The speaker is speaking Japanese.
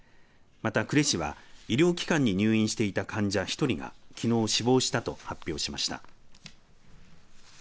また呉市は、医療機関に入院していた患者１人がきのう死亡したと発表しました。